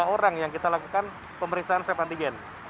tiga orang yang kita lakukan pemeriksaan swab antigen